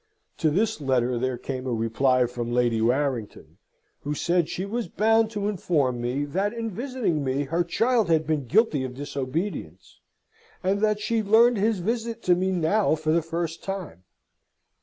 To this letter, there came a reply from Lady Warrington, who said she was bound to inform me, that in visiting me her child had been guilty of disobedience, and that she learned his visit to me now for the first time.